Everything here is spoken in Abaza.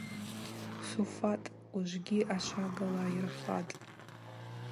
Суфатӏ, ужьы ашвагала йырфатӏ.